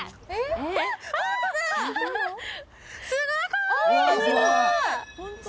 すごーい。